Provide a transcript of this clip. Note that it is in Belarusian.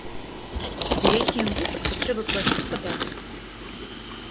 У якім выпадку трэба плаціць падатак?